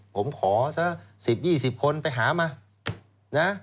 ผมขอ๑๐๒๐คนไปหามา